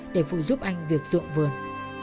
để phụ giúp anh việc dụng vườn